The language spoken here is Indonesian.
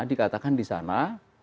dikatakan di sana